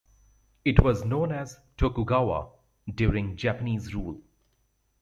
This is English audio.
It was known as "Tokugawa" during Japanese rule.